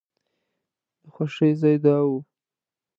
د خوښۍ ځای دا و.